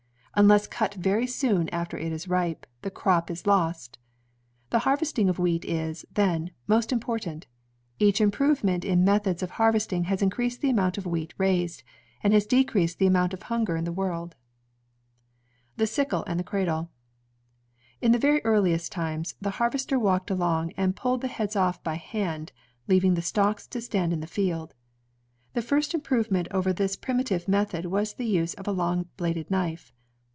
Unless cut very soon after it is ripe, the crop is lost. The harvesting of wheat is, then, most important. Each improvement in methods of harvesting has increased the amount of wheat raised, and has decreased the amount ckf Hunger in the world. The Sickle and the Cradle In the very earliest times, the harvester walked along and pulled the heads off by hand, leaving the stalks to stand in the field. The first improvement over this prim itive method was the use of a long bladed knife.